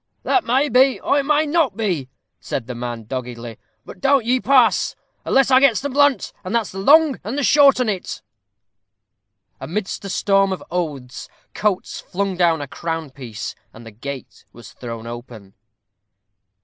"That may be, or it may not be," said the man, doggedly. "But you don't pass, unless I gets the blunt, and that's the long and short on it." Amidst a storm of oaths, Coates flung down a crown piece, and the gate was thrown open.